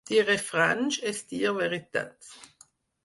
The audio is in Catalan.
Dir refranys és dir veritats.